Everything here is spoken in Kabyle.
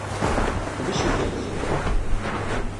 Leqdic igerrzen!